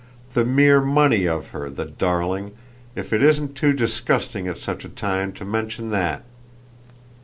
The mere MONEY of her, the darling, if it isn't too disgusting at such a time to mention that